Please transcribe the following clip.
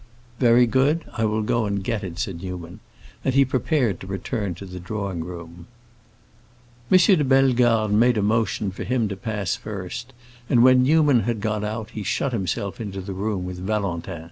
"Very good; I will go and get it," said Newman; and he prepared to return to the drawing room. M. de Bellegarde made a motion for him to pass first, and when Newman had gone out he shut himself into the room with Valentin.